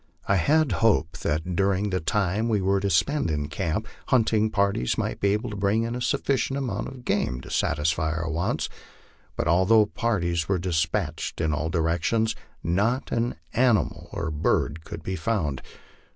I had hoped that during the time we were to spend in camp, hunting parties might be able to bring in a sufficient amount of game to satisfy our wants; but although parties were despatched in all directions, not an animal or bird couTtl be found.